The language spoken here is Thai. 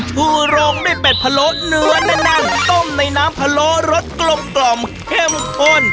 ชูโรงด้วยเป็ดพะโลเนื้อแน่นต้มในน้ำพะโล้รสกลมเข้มข้น